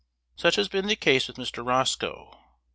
Such has been the case with Mr. Roscoe.